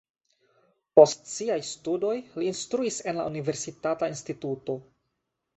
Post siaj studoj li instruis en la universitata instituto.